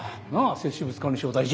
摂取物管理省大臣！